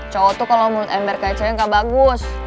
cowok tuh kalau ember kayak cengkak bagus